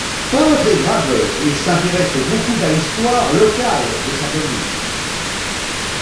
Peintre et graveur, il s'intéresse beaucoup à l'histoire locale de sa commune.